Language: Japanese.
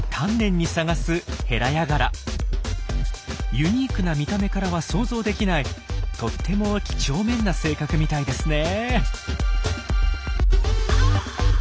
ユニークな見た目からは想像できないとっても几帳面な性格みたいですねえ。